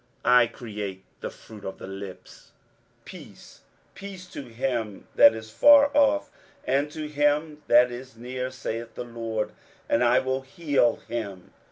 23:057:019 I create the fruit of the lips; Peace, peace to him that is far off, and to him that is near, saith the LORD; and I will heal him.